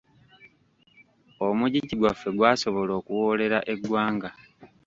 Omugigi gwaffe gwasobola okuwolera eggwanga.